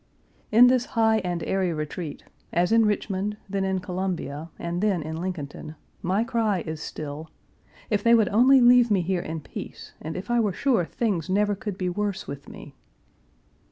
In this high and airy retreat, as in Richmond, then in Columbia, and then in Lincolnton, my cry is still: If they would only leave me here in peace and if I were sure things never could be worse with me.